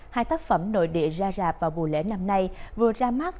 hai tác phẩm nội địa ra rạp vào mùa lễ năm nay vừa ra mắt